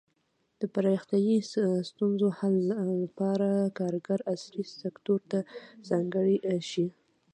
د پراختیايي ستونزو حل لپاره کارګر عصري سکتور ته ځانګړي شي.